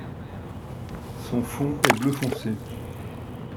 Son fond est bleu foncé.